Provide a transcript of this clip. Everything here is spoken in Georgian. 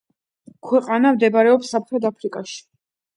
ქვეყანა მდებარეობს სამხრეთ ამერიკაში.